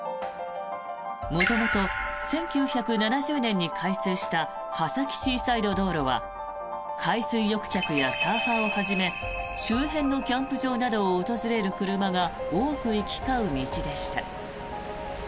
元々、１９７０年に開通した波崎シーサイド道路は海水浴客やサーファーをはじめ周辺のキャンプ場などを訪れる車が多く行き交う道でした。